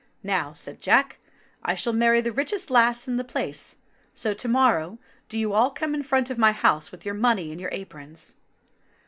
*'Now," said Jack, "I shall marry the richest lass in the place ; so to morrow do you all come in front of my house with your money in your aprons."